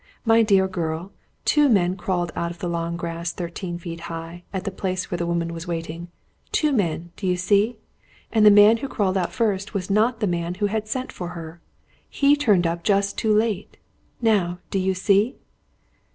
My dear girl, two men crawled out of the long grass thirteen feet high, at the place where the woman was waiting! Two men do you see? And the man who crawled out first was not the man who had sent for her! He turned up just too late. Now, do you see?"